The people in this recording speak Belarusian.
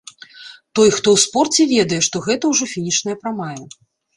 Той, хто ў спорце, ведае, што гэта ўжо фінішная прамая.